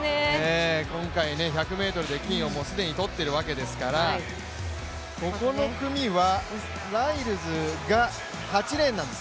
今回、１００ｍで金を既に取っているわけですからここの組はライルズが８レーンなんです。